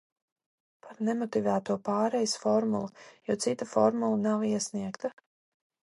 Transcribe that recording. Par nemotivēto pārejas formulu, jo cita formula nav iesniegta.